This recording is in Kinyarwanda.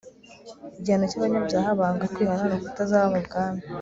igihano cy'abanyabyaha banga kwihana ni ukutazaba mu bwami